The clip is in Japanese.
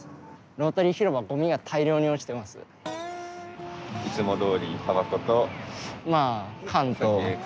ロータリー広場ごみが大量に落ちています。